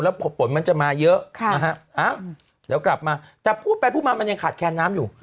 ผลมันจะมาเยอะนะฮะเดี๋ยวกลับมาแต่พูดไปพูดมามันยังขาดแคนน้ำอยู่